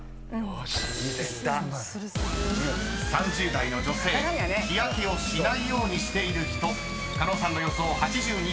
［３０代の女性日焼けをしないようにしている人狩野さんの予想８２％］